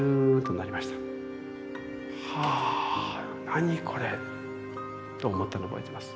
はあ何これ？と思ったのを覚えてます。